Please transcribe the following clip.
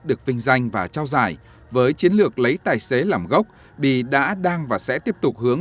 được vinh danh và trao giải với chiến lược lấy tài xế làm gốc bi đã đang và sẽ tiếp tục hướng